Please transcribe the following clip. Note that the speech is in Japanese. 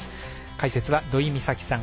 解説は土居美咲さん。